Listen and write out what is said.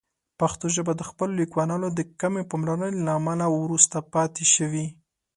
پښتو ژبه د خپلو لیکوالانو د کمې پاملرنې له امله وروسته پاتې شوې.